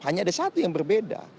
hanya ada satu yang berbeda